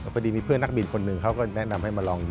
พอดีมีเพื่อนนักบินคนหนึ่งเขาก็แนะนำให้มาลองดู